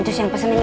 jus yang pesenin ya